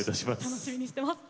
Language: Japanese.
楽しみにしてます。